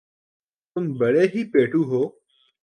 تم بڑے ہی پیٹُو ہو